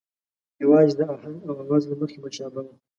یوازې د آهنګ او آواز له مخې مشابه وو.